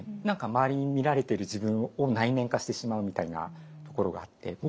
何か周りに見られている自分を内面化してしまうみたいなところがあって。